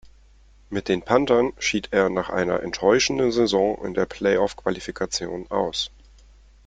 Mit den Panthern schied er nach einer enttäuschenden Saison in der Play-off Qualifikation aus.